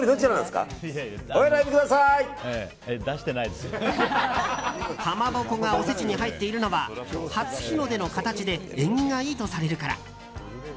かまぼこがおせちに入っているのは初日の出の形で縁起がいいとされるから。